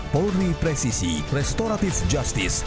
porri presisi restoratif justice